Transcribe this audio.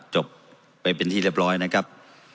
จบไปเป็นที่เรียบร้อยนะครับ